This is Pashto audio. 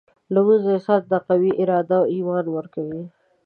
لمونځ انسان ته قوي اراده او ایمان ورکوي.